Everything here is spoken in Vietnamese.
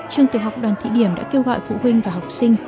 trường tiểu học đoàn thị điểm đã kêu gọi phụ huynh và học sinh